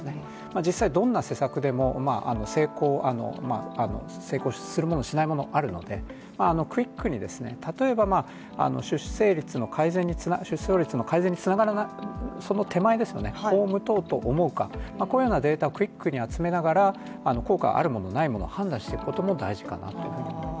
実際、どんな政策でも、成功するものしないものがあるのでクイックに、例えば出生率の改善につながるその手前、子を持とうと思うか、そういうようなデータをクイックに集めながら効果のあるもの、ないもの、判断していくことも大事かなと思います。